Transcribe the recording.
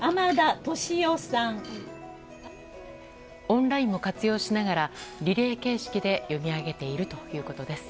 オンラインも活用しながらリレー形式で読み上げているということです。